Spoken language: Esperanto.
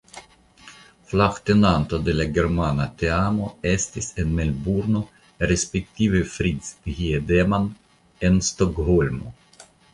Flagtenanto de la germana teamo estis en Melburno respektive Fritz Thiedemann en Stokholmo.